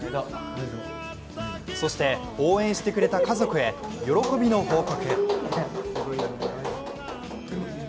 そして応援してくれた家族へ喜びの報告。